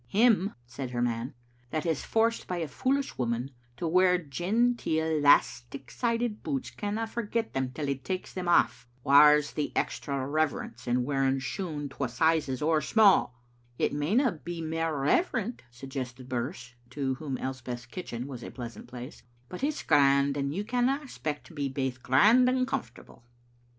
"Him," said her man, "that is forced by a foolish woman to wear genteel 'lastic*sided boots canna forget them till he takes them aff. Whaur's the extra rever ence in wearing shoon twa sizes ower sma?" "It majoia be mair reverent," suggested Birse, to whom Elspeth's kitchen was a pleasant place, " but it's grand, and you canna expect to be baith grand and comfortable."